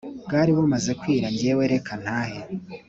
bwari bumaze kwira ngewe reka ntahe"